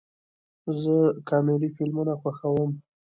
زه کامیډي فلمونه خوښوم